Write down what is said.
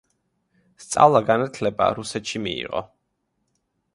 სწავლა-განათლება რუსეთში მიიღო.